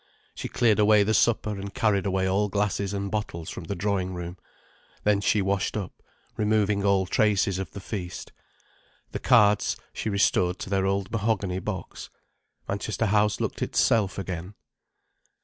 She cleared away the supper and carried away all glasses and bottles from the drawing room. Then she washed up, removing all traces of the feast. The cards she restored to their old mahogany box. Manchester House looked itself again.